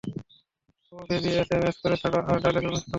ওহ baby, S M S করা ছাড়ো, আর ডায়ালগের অনুশীলন করো।